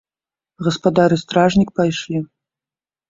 Гаспадар і стражнік пайшлі.